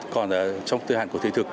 còn trong thời hạn của thịnh thực